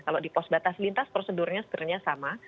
kalau di pos batas lintas prosedurnya sebenarnya sama